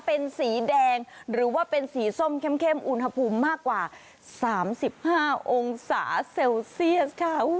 เป็นสีแดงหรือว่าเป็นสีส้มเข้มอุณหภูมิมากกว่า๓๕องศาเซลเซียสค่ะ